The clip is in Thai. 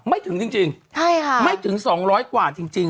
ไม่ถึงจริงไม่ถึง๒๐๐กว่าจริง